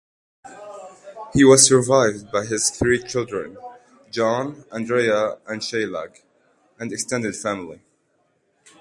He was survived by his three children: John, Andrea and Sheilagh, and extended family.